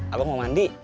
abang mau mandi